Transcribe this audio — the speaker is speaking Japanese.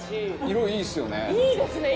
色いいですよね。